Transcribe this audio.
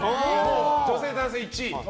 女性、男性１位。